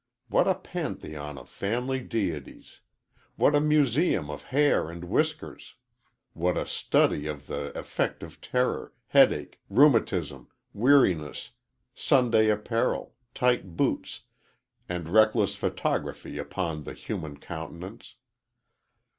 What a pantheon of family deities! What a museum of hair and whiskers! What a study of the effect of terror, headache, rheumatism, weariness, Sunday apparel, tight boots, and reckless photography upon the human countenance!